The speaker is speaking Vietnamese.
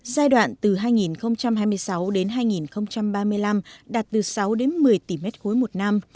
giai đoạn từ hai nghìn hai mươi sáu đến hai nghìn ba mươi năm đạt từ sáu đến một mươi tỷ m ba một năm